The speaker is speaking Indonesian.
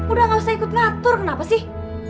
udah gak usah ikut ngatur kenapa sih